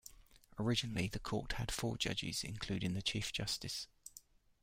Originally, the Court had four judges, including the Chief Justice.